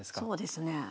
そうですね。